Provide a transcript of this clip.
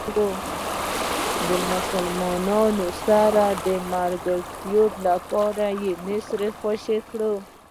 د مسلمانانو سره د ملګرتوب لپاره مصر خوشې کړئ.